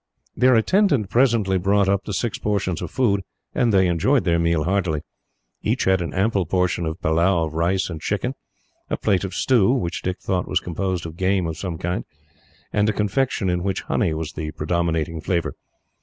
Their attendant presently brought up the six portions of food, and they enjoyed their meal heartily. Each had an ample portion of a pillau of rice and chicken, a plate of stew, which Dick thought was composed of game of some kind, and a confection in which honey was the predominating flavour.